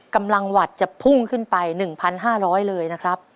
กำลังวัตต์จะพุ่งขึ้นไป๑๕๐๐เลยนะครับ